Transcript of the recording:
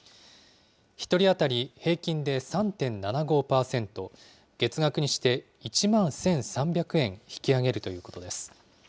１人当たり平均で３．７５％、月額にして１万１３００円引き上げるということです。